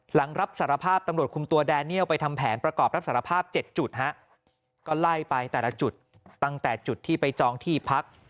หลังรับสารภาพตำรวจคุมตัวแดเนียลไปทำแผนประกอบรับสารภาพ๗จุดฮะก็ไล่ไปแต่ละจุดตั้งแต่จุดที่ไปจองที่พัก